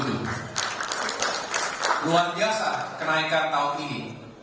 luar biasa kenaikan tahun ini